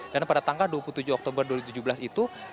dan pada tanggal dua puluh tujuh oktober dua ribu tujuh belas itu